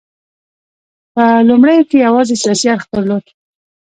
په لومړیو کې یوازې سیاسي اړخ درلود